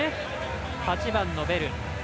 ８番のベル